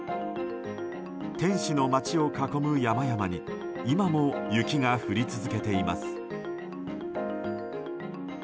天使の街を囲む山々に今も雪が降り続けています。